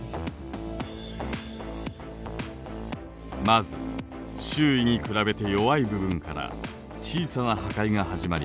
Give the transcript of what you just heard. まず周囲に比べて弱い部分から小さな破壊が始まります。